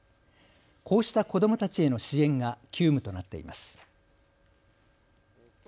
こうした子どもたちへの支援が急務となっています。